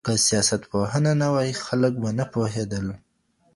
که سياستپوهنه نه وای خلک به نه پوهېدل.